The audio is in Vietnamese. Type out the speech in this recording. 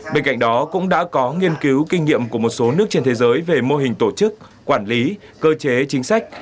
bên cạnh đó cũng đã có nghiên cứu kinh nghiệm của một số nước trên thế giới về mô hình tổ chức quản lý cơ chế chính sách